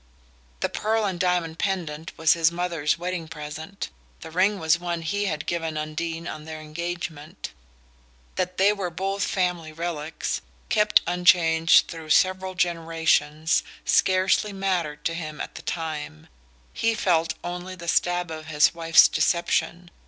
The pearl and diamond pendant was his mother's wedding present; the ring was the one he had given Undine on their engagement. That they were both family relics, kept unchanged through several generations, scarcely mattered to him at the time: he felt only the stab of his wife's deception.